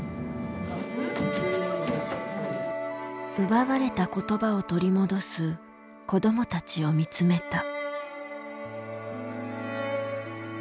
奪われた言葉を取り戻す子どもたちを見つめた。